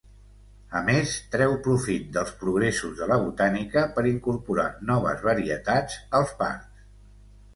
A més treu profit dels progressos de la botànica per incorporar noves varietats als parcs.